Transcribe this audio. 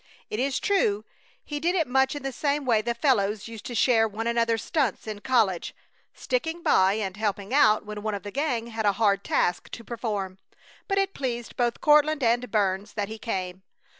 It is true he did it much in the same way the fellows used to share one another's stunts in college, sticking by and helping out when one of the gang had a hard task to perform. But it pleased both Courtland and Burns that he came.